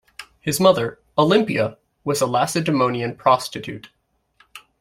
His mother, Olympia, was a Lacedaemonian prostitute.